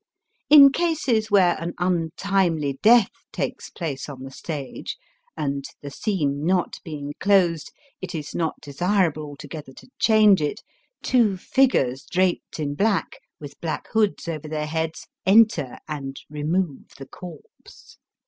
In cases where an untimely death takes place on the stage, and, the scene not being closed, it is not desirable altogether to change it, two figures draped in black, with black hoods over their heads, enter and remove the corpse.